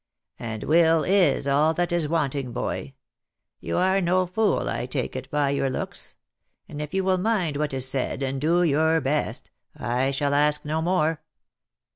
" And will is all that is wanting, boy. You are no fool, I take it, by your looks ; and if you will mind what is said, and do your best, I shall ask no more.